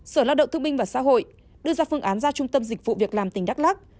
sở lao động thương minh và xã hội đưa ra phương án ra trung tâm dịch vụ việc làm tỉnh đắk lắc